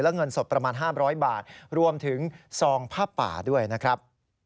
เงินสดประมาณ๕๐๐บาทรวมถึงซองผ้าป่าด้วยนะครับ